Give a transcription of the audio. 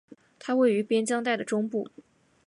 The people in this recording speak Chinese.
它位于边疆带的中部。